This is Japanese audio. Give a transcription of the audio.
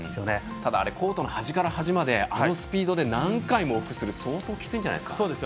ただコートからの端から端まであのスピードで何回も往復する相当きついんじゃないですか。